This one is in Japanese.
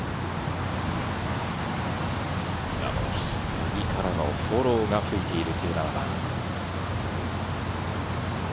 右からのフォローが吹いています。